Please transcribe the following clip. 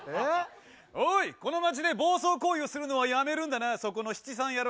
おいこの町で暴走行為をするのはやめるんだなそこの七三野郎。